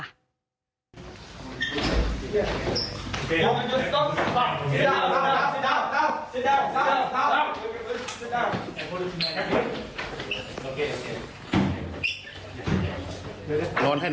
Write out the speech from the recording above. จับกุมจากอเกดโอมณ์